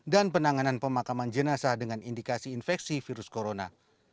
dan penanganan pemakaman jenazah dengan indikasi infeksi virus corona